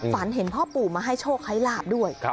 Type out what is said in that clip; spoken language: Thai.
ฝันเห็นพ่อปู่มาให้โชคให้ลาบด้วย